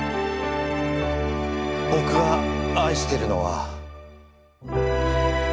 僕が愛してるのは。